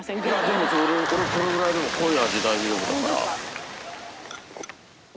でも俺これぐらいでも濃い味大丈夫だから。